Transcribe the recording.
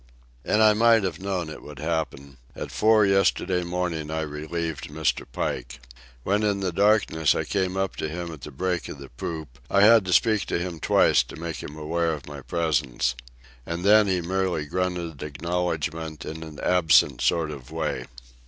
And I might have known it would happen. At four yesterday morning I relieved Mr. Pike. When in the darkness I came up to him at the break of the poop, I had to speak to him twice to make him aware of my presence. And then he merely grunted acknowledgment in an absent sort of way.